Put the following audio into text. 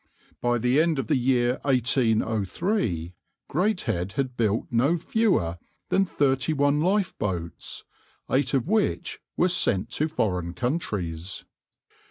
By the end of the year 1803 Greathead had built no fewer than thirty one lifeboats, eight of which were sent to foreign countries.